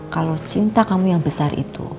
kalau cinta kamu yang besar itu